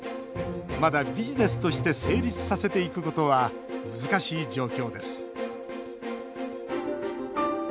まだビジネスとして成立させていくことは難しい状況です。